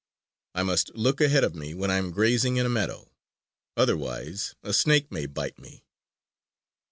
I must look ahead of me when I am grazing in a meadow; otherwise a snake may bite me.